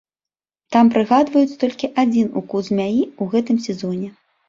Там прыгадваюць толькі адзін укус змяі ў гэтым сезоне.